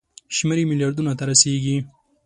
شمېر یې ملیاردونو ته رسیږي.